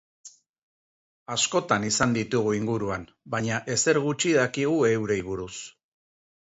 Askotan izan ditugu inguruan, baina ezer gutxi dakigu eurei buruz.